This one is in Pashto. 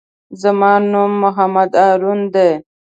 زما نوم محمد هارون دئ.